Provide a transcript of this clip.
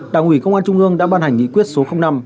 đảng ủy công an trung ương đã ban hành nghị quyết số năm